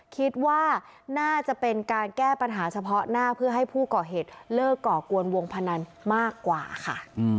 คิดว่าน่าจะเป็นการแก้ปัญหาเฉพาะหน้าเพื่อให้ผู้ก่อเหตุเลิกก่อกวนวงพนันมากกว่าค่ะ